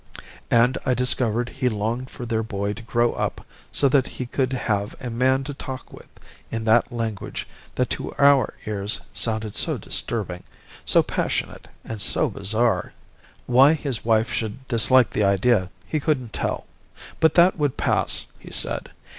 And I discovered he longed for their boy to grow up so that he could have a man to talk with in that language that to our ears sounded so disturbing, so passionate, and so bizarre. Why his wife should dislike the idea he couldn't tell. But that would pass, he said.